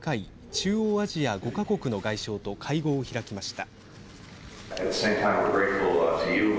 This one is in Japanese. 中央アジア５か国の外相と会合を開きました。